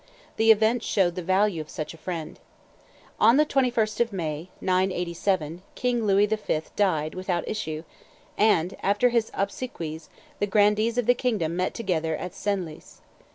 The event showed the value of such a friend. On the 21st of May, 987, King Louis V. died without issue; and, after his obsequies, the grandees of the kingdom met together at Senlis.